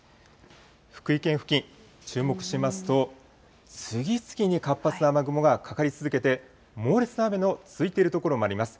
福井県付近、注目しますと、次々に活発な雨雲がかかり続けて、猛烈な雨の続いている所もあります。